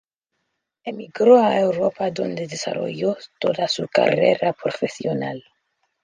Emigró a Europa donde desarrolló toda su carrera profesional.